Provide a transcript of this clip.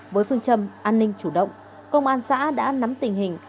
với phương châm an ninh chủ động công an xã đã nắm tình hình